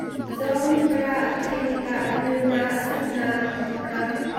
Zawng nih para an thlei tikah a dil na a sat na an ti hna.